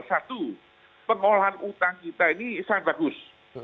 satu pengolahan utang kita ini sangat bagus